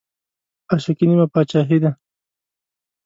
عاشقي نيمه باچاهي ده